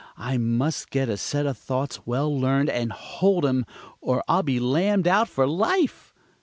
I must get a set of thoughts well learned and hold 'em, or I'll be lammed out of my life."